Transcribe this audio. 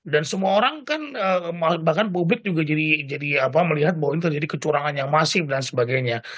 dan semua orang kan bahkan publik juga melihat bahwa ini terjadi kecurangan yang masif dan sebagainya